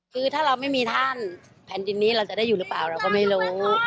คือถ้าเราไม่มีท่านแผ่นดินนี้เราจะได้อยู่หรือเปล่าเราก็ไม่รู้